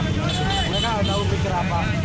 mereka tahu mikir apa